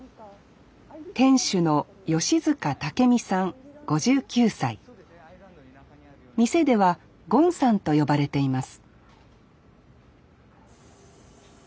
店主の店ではゴンさんと呼ばれています